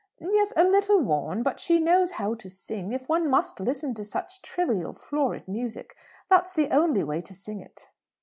"Yes; a little worn. But she knows how to sing. If one must listen to such trivial, florid music, that's the only way to sing it."